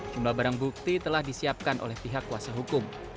jumlah barang bukti telah disiapkan oleh pihak kuasa hukum